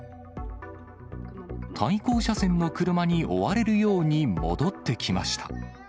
対向車線の車に追われるように戻ってきました。